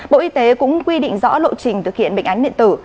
bộ y tế cũng quy định rõ lộ trình thực hiện bệnh án điện tử